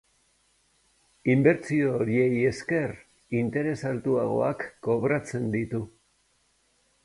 Inbertsio horiei esker interes altuagoak kobratzen ditu.